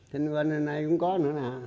trên bên đây cũng có nữa nè